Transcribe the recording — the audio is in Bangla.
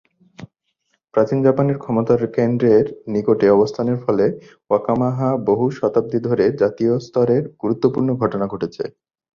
প্রাচীন জাপানের ক্ষমতার কেন্দ্রের নিকটে অবস্থানের ফলে ওয়াকায়ামায় বহু শতাব্দী ধরে জাতীয় স্তরে গুরুত্বপূর্ণ ঘটনা ঘটেছে।